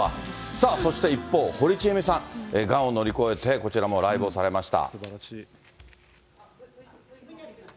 さあ、そして一方、堀ちえみさん、がんを乗り越えてこちらもライブをされました。